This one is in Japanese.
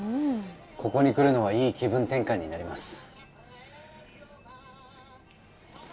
ここに来るのはいい気分転換になります。